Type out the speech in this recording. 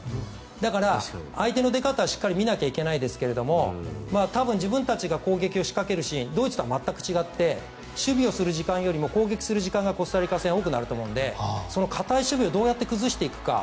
だから相手の出方をしっかり見なきゃいけないですが多分、自分たちが攻撃を仕掛けるシーンドイツとは全く違って守備をする時間よりも攻撃をする時間がコスタリカ戦は多くなると思いますのでその堅い守備をどうやって崩していくか。